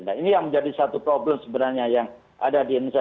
nah ini yang menjadi satu problem sebenarnya yang ada di indonesia